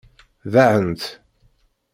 Ḍaɛent.